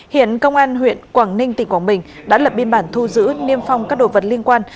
hiện công an huyện quảng ninh tỉnh quảng bình đã lập biên bản thu giữ niêm phong các đồ vật liên quan